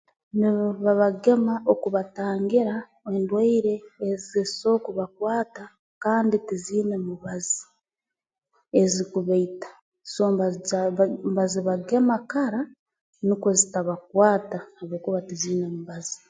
Nibababagema okubatangira endwaire ezi so kubakwata kandi tiziina mubazi ezi kubaita so mbazija mbazibagema kara nukwo zitabakwata habwokuba tiziine mubazi